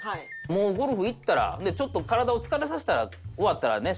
もうゴルフ行ったらちょっと体を疲れさせたら終わったらね